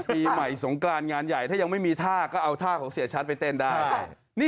ปีใหม่สงกรานงานใหญ่ถ้ายังไม่มีท่าก็เอาท่าของเสียชัดไปเต้นได้